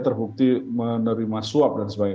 terbukti menerima suap dan sebagainya